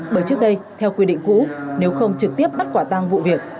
bởi trước đây theo quy định cũ nếu không trực tiếp bắt quả tăng vụ việc